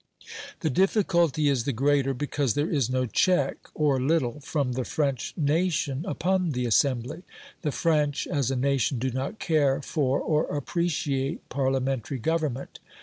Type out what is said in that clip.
The difficulty is the greater because there is no check, or little, from the French nation upon the Assembly. The French, as a nation, do not care for or appreciate Parliamentary government.